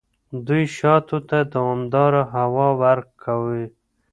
دوی شاتو ته دوامداره هوا ورکوي.